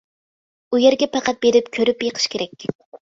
ئۇ يەرگە پەقەت بېرىپ كۆرۈپ بېقىش كېرەك.